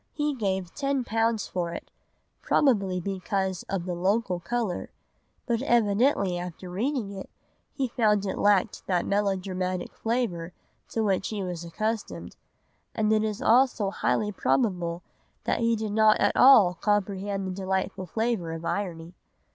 He gave ten pounds for it, probably because of the local colour, but evidently after reading it he found it lacked that melodramatic flavour to which he was accustomed; and it is also highly probable that he did not at all comprehend the delightful flavour of irony.